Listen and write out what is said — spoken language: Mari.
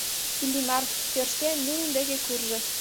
Иллимар, тӧрштен, нунын деке куржо.